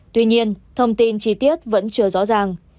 tuy nhiên thông tin chi tiết vẫn chưa rõ ràng